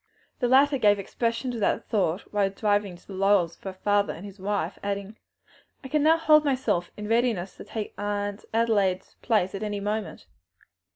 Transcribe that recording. The latter gave expression to that thought while driving to the Laurels with her father and his wife, adding, "I can now hold myself in readiness to take Aunt Adelaide's place at any moment."